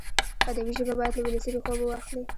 ادبي ژبه باید له ولسي ریښو اوبه واخلي.